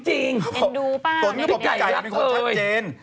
สนก็บอกพี่ไก่เป็นคนชัดเจน